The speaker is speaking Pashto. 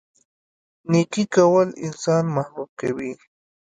نیکي کول انسان محبوب کوي.